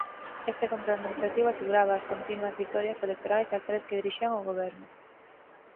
Este control administrativo aseguraba as continuas vitorias electorais daqueles que dirixían o Goberno.